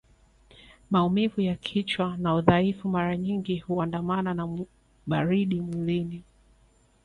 Maumivu ya kichwa na udhaifu mara nyingi huandamana na baridi mwilini